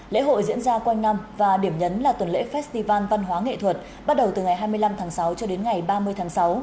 lễ hội diễn ra quanh năm và điểm nhấn là tuần lễ festival văn hóa nghệ thuật bắt đầu từ ngày hai mươi năm tháng sáu cho đến ngày ba mươi tháng sáu